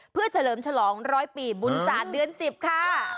เพื่อเฉลิมฉลองร้อยปีบุญศาสตร์เดือน๑๐ค่ะ